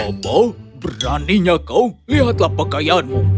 bapak beraninya kau lihatlah pakaianmu